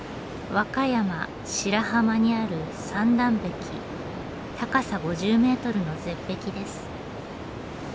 和歌山・白浜にある高さ５０メートルの絶壁です。